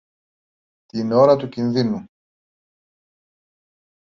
την ώρα του κινδύνου.